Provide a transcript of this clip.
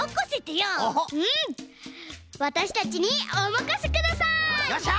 よっしゃ！